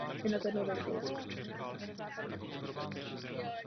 Totéž bylo provedeno i dalším národům v té oblasti.